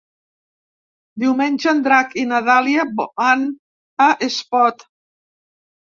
Diumenge en Drac i na Dàlia van a Espot.